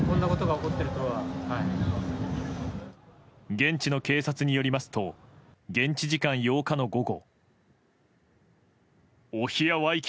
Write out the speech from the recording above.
現地の警察によりますと現地時間８日の午後。